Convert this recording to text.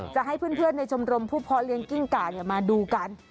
จะให้เพื่อนในชมรมผู้เพาะเลี้ยงกิ้งก่ามาดูกัน